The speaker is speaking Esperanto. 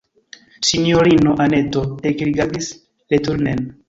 Sinjorino Anneto ekrigardis returnen.